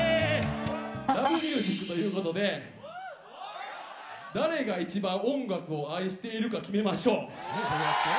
『Ｌｏｖｅｍｕｓｉｃ』ということで誰が一番音楽を愛しているか決めましょう。